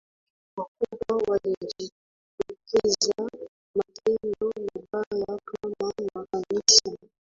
wakubwa yalijitokeza matendo mabaya kama makanisa